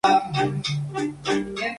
La población estaba confundida y descontenta.